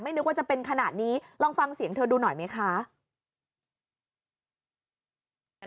นึกว่าจะเป็นขนาดนี้ลองฟังเสียงเธอดูหน่อยไหมคะ